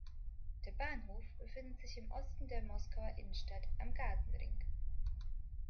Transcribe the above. Der Bahnhof befindet sich im Osten der Moskauer Innenstadt am Gartenring.